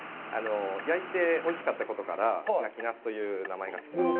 焼いておいしかったことから、「やきなす」という名前がつきました。